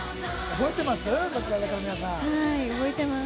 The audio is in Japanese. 覚えてます。